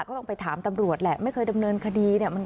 ก็ต้องไปถามตำรวจแหละไม่เคยดำเนินคดีเนี่ย